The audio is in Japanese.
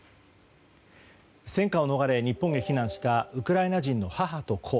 戦火を逃れ日本へ避難したウクライナ人の母と子。